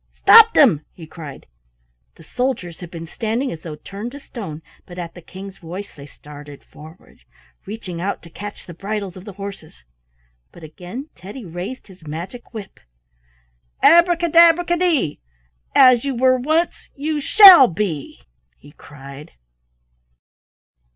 stop them!" he cried. The soldiers had been standing as though turned to stone, but at the King's voice they started forward, reaching out to catch the bridles of the horses, but again Teddy raised his magic whip. "Abraca dabraca dee! As you were once you shall be!" h e cried.